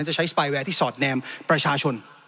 จะใช้สปายแวร์ที่สอดแนมประชาชน